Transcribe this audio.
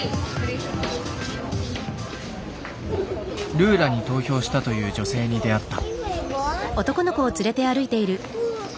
ルーラに投票したという女性に出会った。